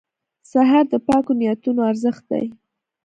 سهار د پاکو نیتونو ارزښت دی.